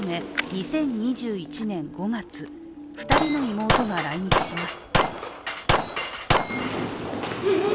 ２０２１年５月２人の妹が来日します。